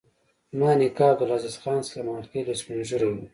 زما نیکه عبدالعزیز خان سلیمان خېل یو سپین ږیری و.